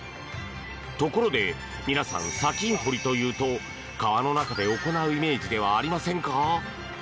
ところで皆さん砂金掘りというと川の中で行うイメージではありませんか？